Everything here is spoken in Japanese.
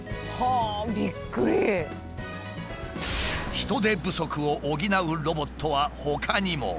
人手不足を補うロボットはほかにも。